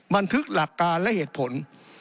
บันทึกหลักการและเหตุผล